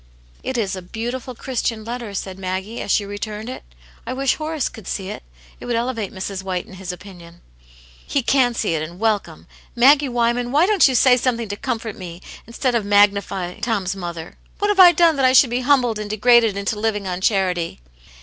" It is a beautiful, Christian letter," said Maggie, as she returned it. "I wish Horace could see it. It would elevate Mrs. White in his opinion." " He can see it, and welcome. Maggie Wyman, why don't you say sometViing to comloxV m^^ ysnsJ^^^A. Aunt Janets Hero, 191 of magnifying Tom's mother. What have I done that I should be humbled and degraded into living on charity